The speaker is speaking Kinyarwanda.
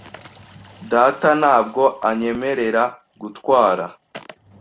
Data ntabwo anyemerera gutwara .